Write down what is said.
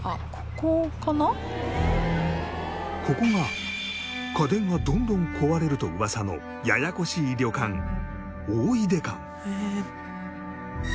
ここが家電がどんどん壊れると噂のややこしい旅館大出館。